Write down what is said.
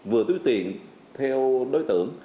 vừa túi tiền theo đối tượng